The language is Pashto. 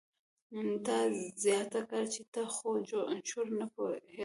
تا زياته کړه چې ته خو چور نه هېروم.